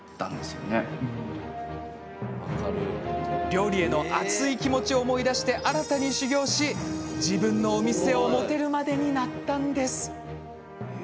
料理への熱い気持ちを思い出して新たに修業し自分のお店を持てるまでになりました。